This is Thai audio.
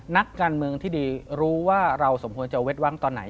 นักการเมืองที่ดีรู้ว่าเราสมควรจะเว็ดวังตอนไหน